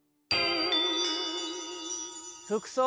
「服装」。